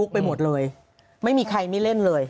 ไปหมดเลยไม่มีใครไม่เล่นเลย